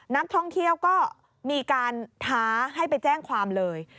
นักท่องเที่ยวก็มีการท้าให้ไปแจ้งความเลย